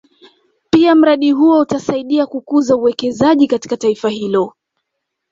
Pia mradi huo utasaidia kukuza uwekezaji katika taifa hilo